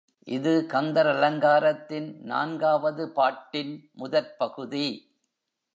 இது கந்தர் அலங்காரத்தின் நான்காவது பாட்டின் முதற் பகுதி.